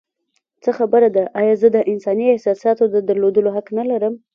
څه خبره ده؟ ایا زه د انساني احساساتو د درلودو حق نه لرم؟